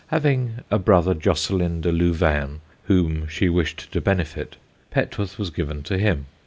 having a brother Josceline de Louvaine whom she wished to benefit, Petworth was given to him.